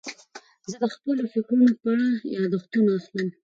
زه د خپلو فکرونو په اړه یاداښتونه اخلم.